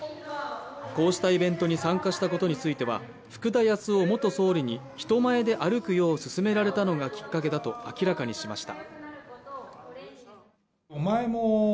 こうしたイベントに参加したことについては、福田康夫元総理に人前で歩くよう勧められたのが、きっかけだと明らかにしました。